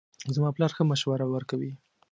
زما پلار ښه مشوره ورکوي